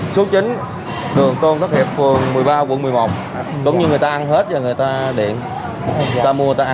số chín đường tôn thất hiệp vườn một mươi ba quận một mươi một đúng như người ta ăn hết rồi người ta điện người ta mua